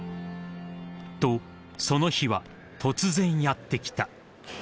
［とその日は突然やって来た］